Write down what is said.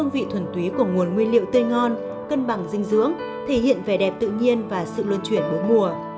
vị thuần túy của nguồn nguyên liệu tươi ngon cân bằng dinh dưỡng thể hiện vẻ đẹp tự nhiên và sự luân chuyển bốn mùa